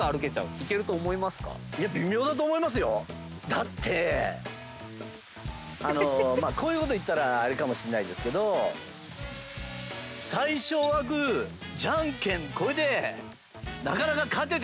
だってこういうこと言ったらあれかもしんないんですけど最初はグーじゃんけんこれで。